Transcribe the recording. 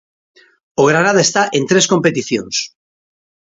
O Granada está en tres competicións.